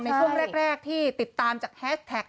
ในช่วงแรกที่ติดตามจากแฮชแท็ก